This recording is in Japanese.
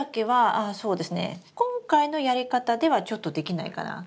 今回のやり方ではちょっとできないかな。